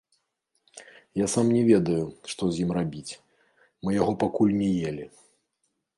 Я сам не ведаю, што з ім рабіць, мы яго пакуль не елі.